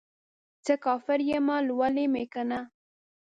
څه کافر یمه ، لولی مې کنه